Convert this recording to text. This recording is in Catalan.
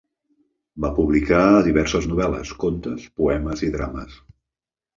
Va publicar diverses novel·les, contes, poemes i drames.